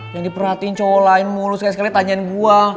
yang diperhatiin cowok lain mulu sekali sekali tanyain gue